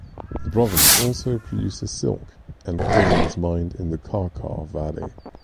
The province also produces silk, and coal is mined in the Karkar Valley.